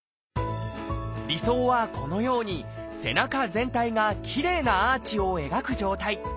理想はこのように背中全体がきれいなアーチを描く状態。